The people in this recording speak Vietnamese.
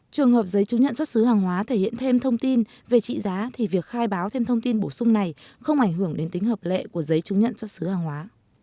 trường hợp giấy chứng nhận xuất xứ hàng hóa thể hiện thêm thông tin về trị giá thì việc khai báo thêm thông tin bổ sung này không ảnh hưởng đến tính hợp lệ của giấy chứng nhận xuất xứ hàng hóa